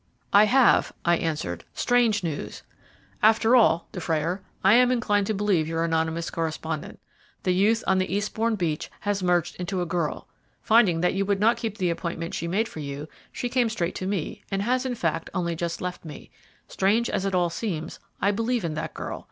"I have," I answered; "strange news. After all, Dufrayer, I am inclined to believe in your anonymous correspondent. The youth on the Eastbourne beach has merged into a girl. Finding that you would not keep the appointment she made for you, she came straight to me, and has, in fact, only just left me. Strange as it all seems, I believe in that girl.